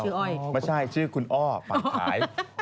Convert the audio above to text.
ชื่ออ้อยไม่ใช่ชื่อคุณอ้อปากขาย